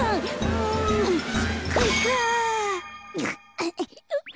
うんかいか！